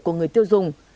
của người tiêu dùng